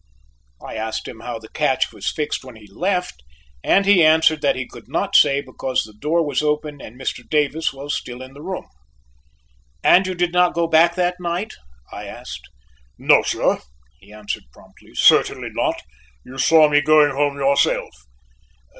I asked him how the catch was fixed when he left, and he answered that he could not say because the door was open, and Mr. Davis still in the room. "And you did not go back that night?" I asked. "No, sir," he answered promptly, "certainly not. You saw me going home yourself."